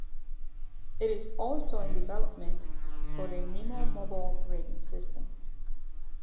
It is also in development for the Maemo mobile operating system.